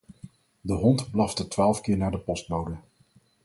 De hond blafte twaalf keer naar de postbode.